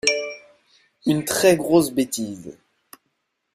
Une très grosse bêtise.